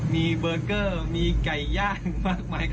มีเบอร์เกอร์มีไก่ย่างมากมาย